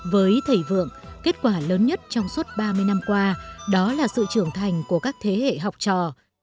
với thầy vượng kết quả lớn nhất trong suốt ba mươi năm qua đó là sự trưởng thành của các thế hệ học trò